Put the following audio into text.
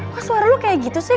kok suara lu kayak gitu sih